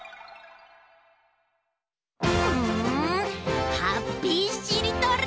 んハッピーしりとり！